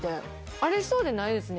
ありそうでないですね